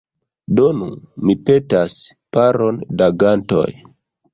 Donu, mi petas, paron da gantoj.